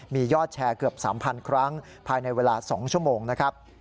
มียอดแชร์เกือบ๓๐๐ครั้งภายในเวลา๒ชั่วโมงนะครับ